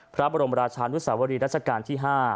พระบรมราชานุสาวรีรัชกาลที่๕